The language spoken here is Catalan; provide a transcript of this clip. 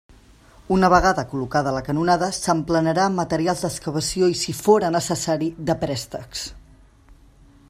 Una vegada col·locada la canonada s'emplenarà amb materials d'excavació i si fóra necessari de préstecs.